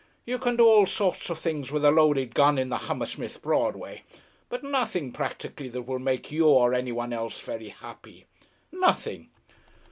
"You can do all sorts of things with a loaded gun in the Hammersmith Broadway, but nothing practically that will make you or any one else very happy. Nothing.